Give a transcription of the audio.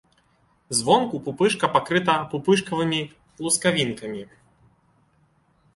Звонку пупышка пакрыта пупышкавымі лускавінкамі.